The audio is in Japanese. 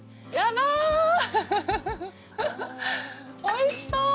おいしそう！